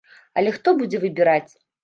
Але хто будзе выбіраць?